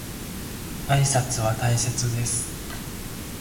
挨拶は大切です。